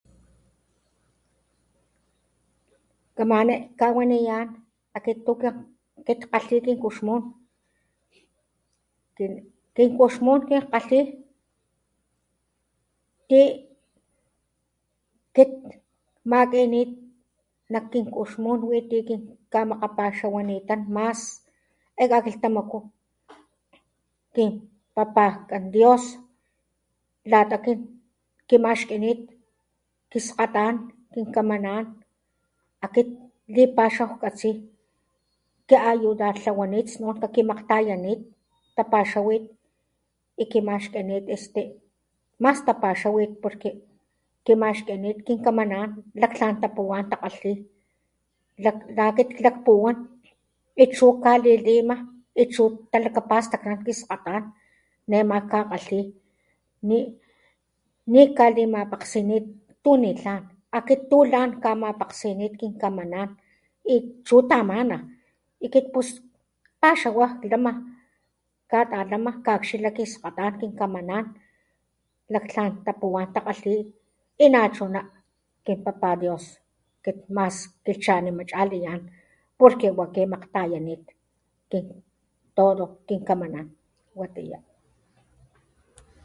Kamani kawinayan akit tukit kgalhi nak kin kuxmun kin kuxmun kin kgalhi ti kit kmakinit nak kin kuxmun witikin kamakgapaxawanitan mas e kakiltamaku kin papajkan dios, lata kin kimaxkinit kiskgatan kin kamanan akit klipaxaw katsi ki ayudartlawanit snun kimagtayanit tapaxawit, y kimaxkinit este mas tapaxawit porque kimaxkinit kinkamanan laktlan tapuwan takgalhi la akit lakpuwan akit chu kalilima y chu talakapastaknan kiskgatan nema kakgakgalhi nikkalimapakgsinit tuni tlan akit tu lan kamapakgsinit kin kamanan y chu tamana y kit pus kpaxawa klama katalama kaxila kin skgatan kin kamanan laktlan tapuwan takgalhi y nachuna kin papa dios kit mas kilchanima chaliyan porque wa kimakgtayanit, kit todo kin kamanan y watiya.